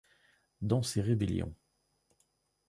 Dans ces rébellions.